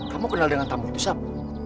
kamu kenal dengan tamu itu sabu